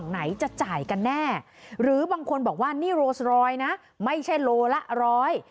ไหนจะจ่ายกันแน่หรือบางคนบอกว่านี่โรสรอยนะไม่ใช่โลละร้อย